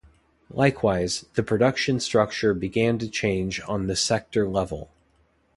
Likewise, the production structure began to change on the sector level.